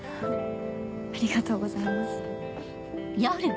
ありがとうございます。